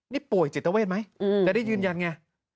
นี่ป่วยจิตเวทมั้ยแต่ได้ยืนยันอย่างไง